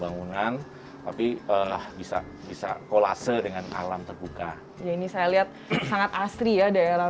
bangunan tapi bisa bisa kolase dengan alam terbuka ya ini saya lihat sangat asri ya daerah